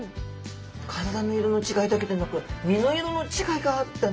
体の色の違いだけでなく身の色の違いがあったって。